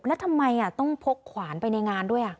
แล้วทำไมต้องพกขวานไปในงานด้วย